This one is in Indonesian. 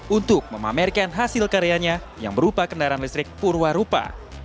untuk memamerkan hasil karyanya yang berupa kendaraan listrik purwarupa